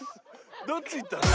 どっち行ったの？